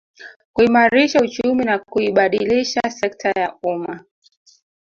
Kuimarisha uchumi na kuibadilisha sekta ya umma